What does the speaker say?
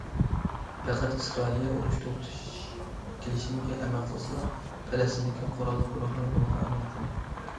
پەقەت ئىسرائىلىيە ئۇرۇش توختىتىش كېلىشىمىگە ئەمەل قىلسىلا، پەلەستىندىكى قوراللىق گۇرۇھلار بۇنىڭغا ئەمەل قىلىدۇ.